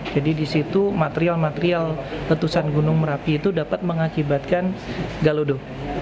jadi disitu material material letusan gunung marapi itu dapat mengakibatkan galodo